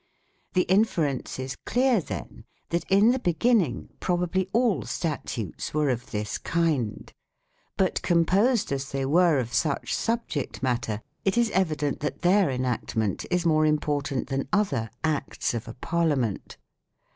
The inference is clear, then, that in the beginning, probably all statutes were of this kind. But composed as they were of such subject matter, it is evident that their enactment is more im portant than other " acts " of a Parliament.